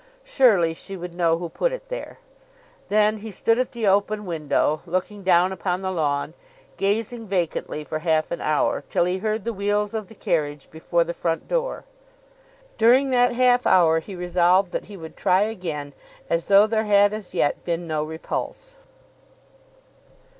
Surely she would know who put it there. Then he stood at the open window, looking down upon the lawn, gazing vacantly for half an hour, till he heard the wheels of the carriage before the front door. During that half hour he resolved that he would try again as though there had as yet been no repulse.